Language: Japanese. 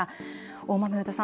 大豆生田さん